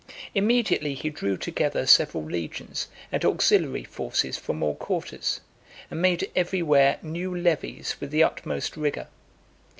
Immediately he drew together several legions, and auxiliary forces from all quarters, and made every where new levies with the utmost rigour.